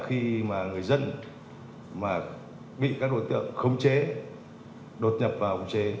khi mà người dân mà bị các đối tượng khống chế đột nhập vào khống chế